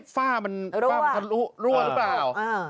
ฝ้ามันรั่วหรือเปล่า